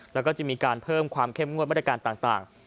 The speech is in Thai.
แล้วก็จะมีการเพิ่มความเข้มงวดมาตรการต่าง